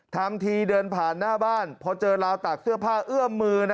ทำทีเดินผ่านหน้าบ้านพอเจอราวตากเสื้อผ้าเอื้อมมือ